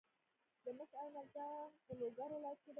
د مس عینک کان په لوګر ولایت کې دی.